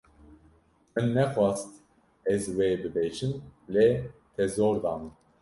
Min nexwast ez wê bibêjim lê te zor da min.